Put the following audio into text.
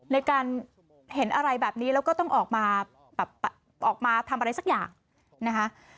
ในการเห็นอะไรแบบนี้แล้วก็ต้องออกมาแบบออกมาทำอะไรสักอย่างนะคะ